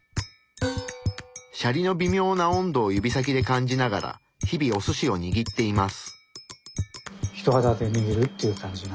シャリのびみょうな温度を指先で感じながら日々おすしをにぎっています。